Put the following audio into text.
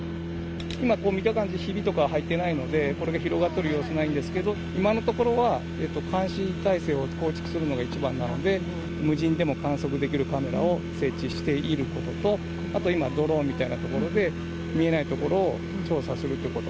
今、見た感じ、ひびとか入っていないので、これが広がってる様子ないんですけど、今のところは、監視たいせいを構築するのが一番なので、無人でも観測できるカメラを設置していることと、あと今、ドローンみたいなところで、見えない所を調査することと。